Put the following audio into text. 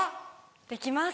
できます。